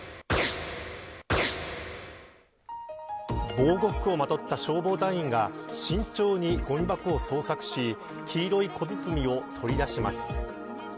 防護服をまとった消防隊員が慎重にごみ箱を捜索し黄色い小包を取り出します。